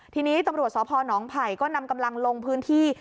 ทีนี้ตำรวจสพนไผ่ก็นำกำลังลงพื้นที่